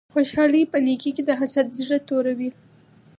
خوشحالی په نیکې کی ده حسد زړه توروی